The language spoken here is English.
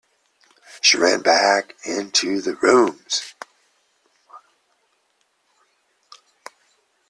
She ran back into the rooms.